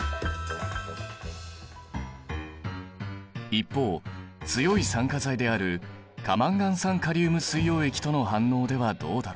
一方強い酸化剤である過マンガン酸カリウム水溶液との反応ではどうだろう。